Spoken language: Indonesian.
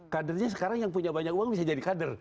kadernya sekarang yang punya banyak uang bisa jadi kader